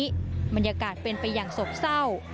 วันนี้บรรยากาศเป็นไปอย่างโศกเศร้า